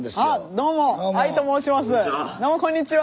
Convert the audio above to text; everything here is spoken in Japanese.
どうもこんにちは。